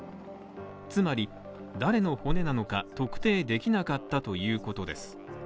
つまり、誰の骨なのか特定できなかったということです。